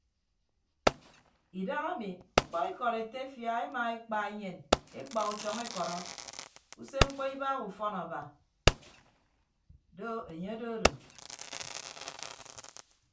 Idahami mkpọ ikọd etefia emaekpa enyen ekpa utọñ ekọrọ usemkpọ ibagha ufọn aba do enye ododo.